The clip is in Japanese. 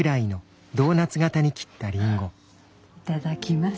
いただきます。